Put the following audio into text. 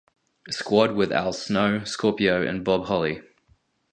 Squad with Al Snow, Scorpio and Bob Holly.